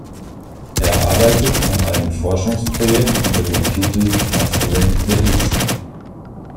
Er arbeitet an einem Forschungsprojekt unter dem Titel: “Mastering the East.